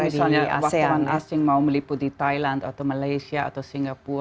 karena misalnya wartawan asing mau meliputi thailand atau malaysia atau singapura